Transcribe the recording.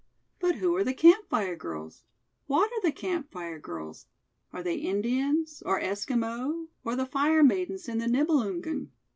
But who are the Camp Fire Girls; what are the Camp Fire Girls; are they Indians or Esquimaux or the fire maidens in 'The Nibelungen'?